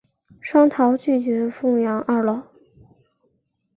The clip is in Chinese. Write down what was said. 双桃拒绝奉养二老。